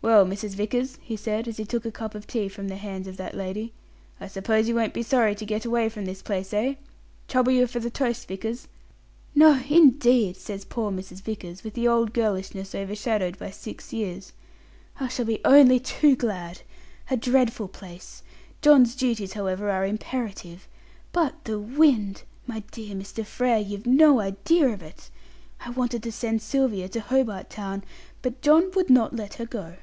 "Well, Mrs. Vickers," he said, as he took a cup of tea from the hands of that lady, "I suppose you won't be sorry to get away from this place, eh? Trouble you for the toast, Vickers!" "No indeed," says poor Mrs. Vickers, with the old girlishness shadowed by six years; "I shall be only too glad. A dreadful place! John's duties, however, are imperative. But the wind! My dear Mr. Frere, you've no idea of it; I wanted to send Sylvia to Hobart Town, but John would not let her go."